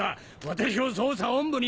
私を捜査本部に！